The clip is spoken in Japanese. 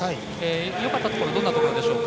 よかったところどんなところでしょう。